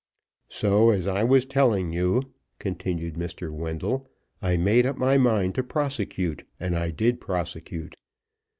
"So, as I was telling you," continued Mr. Wendell, "I made up my mind to prosecute, and I did prosecute.